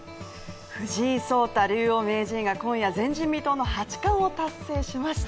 藤井聡太竜王名人が今夜、前人未到の八冠を達成しました。